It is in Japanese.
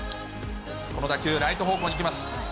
この打球ライト方向に行きます。